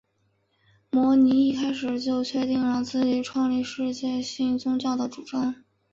摩尼一开始就确定了自己创立世界性宗教的主张。